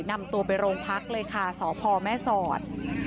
นำตัวไปโรงพักเลยค่ะสพแม่สอด